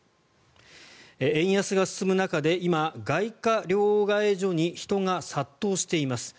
円安が進む中で今、外貨両替所に人が殺到しています。